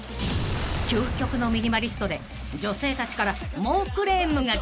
［究極のミニマリストで女性たちから猛クレームが］